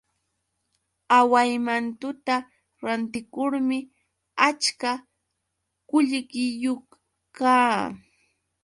Awaymantuta rantikurmi achka qullqiyuq kaa.